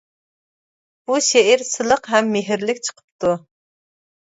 بۇ شېئىر سىلىق ھەم مېھىرلىك چىقىپتۇ.